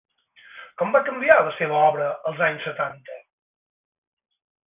Com va canviar la seva obra als anys setanta?